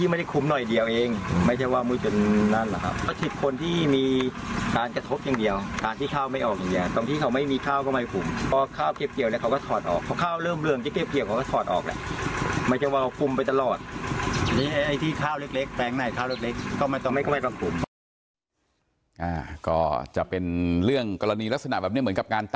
อันนี้ไอ้ที่ข้าวเล็กแปลงหน้าข้าวเล็กก็ไม่ต้องคลุม